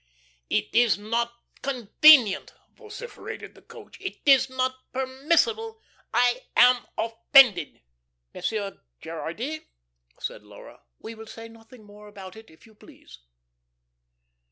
"It is not convenient," vociferated the "coach." "It is not permissible. I am offended." "Monsieur Gerardy," said Laura, "we will say nothing more about it, if you please."